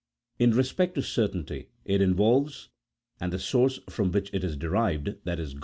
In respect to the certainty it involves, and the source from which it is derived, i.e.